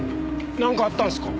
なんかあったんですか？